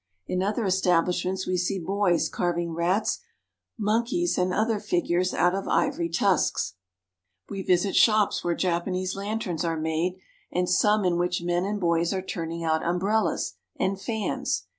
In other estabUshments we see boys carving rats, monkeys, and other figures out of ivory tusks. We visit shops where Japanese lanterns are made, and Cobbler, Using Feet. some in which men and boys are turning out umbrellas and fans.